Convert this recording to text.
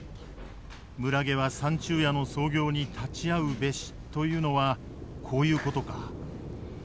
村下は三昼夜の操業に立ち会うべしというのはこういうことか。